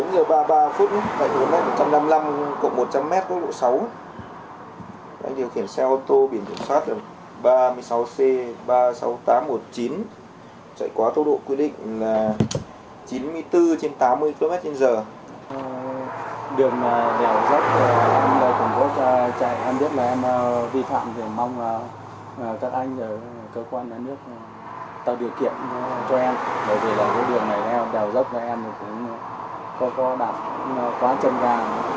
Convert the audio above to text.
các anh cơ quan nước tạo điều kiện cho em bởi vì đường này đào dốc cho em cũng có đạt quá trầm gà